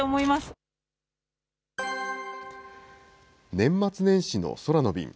年末年始の空の便。